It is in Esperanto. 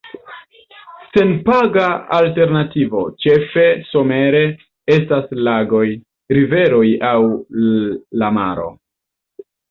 Senpaga alternativo, ĉefe somere estas lagoj, riveroj aŭ la maro.